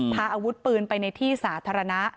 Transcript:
พาอาวุธปืนไปในที่สาธารณะ